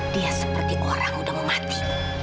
dia seperti orang udah mau mati